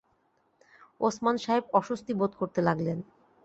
ওসমান সাহেব অস্বস্তি বোধ করতে লাগলেন।